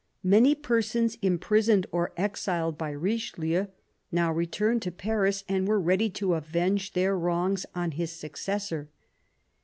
Many persons imprisoned or exiled by Richelieu now returned to Paris, and were ready to avenge their wrongs on his successor.